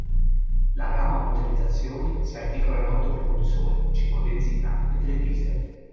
La gamma motorizzazioni si articola in otto propulsori: cinque benzina e tre diesel.